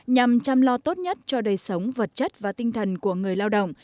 nhằm chăm lo tốt nhất cho đời sống vật chất và tinh thần của người lao động